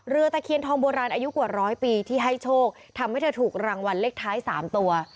ตะเคียนทองโบราณอายุกว่าร้อยปีที่ให้โชคทำให้เธอถูกรางวัลเลขท้าย๓ตัว